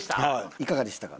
いかがでしたか？